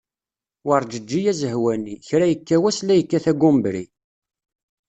Werǧeǧǧi azehwani, kra yekka wass la yekkat agumbri.